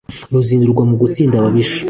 Ruzindurwa no gutsinda ababisha,